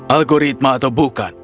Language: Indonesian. algoritma atau bukan